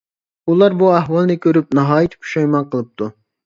ئۇلار بۇ ئەھۋالنى كۆرۈپ ناھايىتى پۇشايمان قىلىپتۇ.